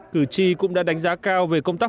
cử tri cũng đã đánh giá cao về công tác